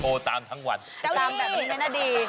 โตตามทั้งวัน